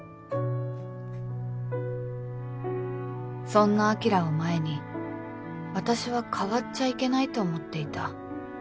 そんな晶を前に私は変わっちゃいけないと思っていた